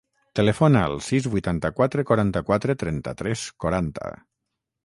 Telefona al sis, vuitanta-quatre, quaranta-quatre, trenta-tres, quaranta.